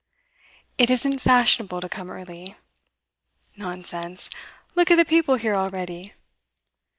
'It isn't fashionable to come early.' 'Nonsense! Look at the people here already.